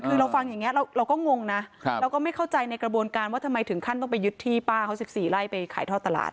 คือเราฟังอย่างนี้เราก็งงนะเราก็ไม่เข้าใจในกระบวนการว่าทำไมถึงขั้นต้องไปยึดที่ป้าเขา๑๔ไร่ไปขายท่อตลาด